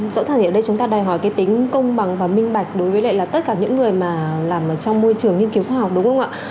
chỗ thẳng hiểu đây chúng ta đòi hỏi cái tính công bằng và minh bạch đối với lại là tất cả những người mà làm trong môi trường nghiên cứu khoa học đúng không ạ